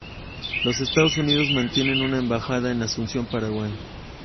Los Estados Unidos mantienen una embajada en Asunción, Paraguay.